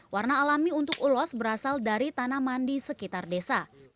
warna alami untuk ulos berasal dari tanaman di sekitar desa